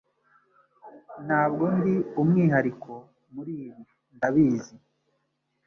Ntabwo ndi umwihariko, muri ibi ndabizi.